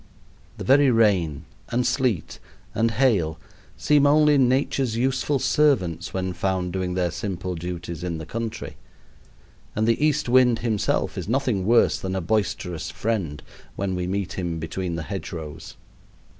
The very rain, and sleet, and hail seem only Nature's useful servants when found doing their simple duties in the country; and the East Wind himself is nothing worse than a boisterous friend when we meet him between the hedge rows.